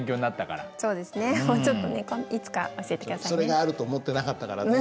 それがあると思ってなかったからね。